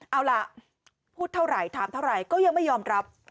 เอาล่ะพูดเท่าไหร่ถามเท่าไหร่ก็ยังไม่ยอมรับ